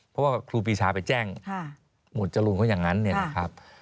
เพราะว่าครูปีชาไปแจ้งหมวดจรูนเขาอย่างนั้นเนี่ยนะครับ